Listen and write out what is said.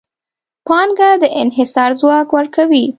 پانګه د انحصار ځواک ورکوي.